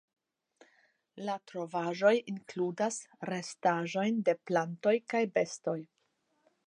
La trovaĵoj inkludas restaĵojn de plantoj kaj bestoj.